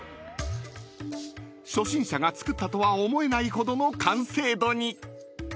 ［初心者が作ったとは思えないほどの完成度に］